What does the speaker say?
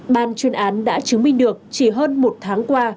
ban chuyên án đã chứng minh được chỉ hơn một tháng qua